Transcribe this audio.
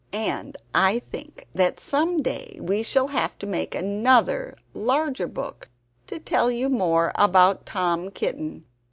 And I think that some day I shall have to make another, larger book, to tell you more about Tom Kitten!